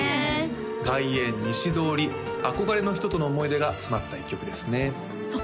「外苑西通り」憧れの人との思い出が詰まった１曲ですねあっ